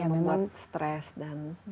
membuat stress dan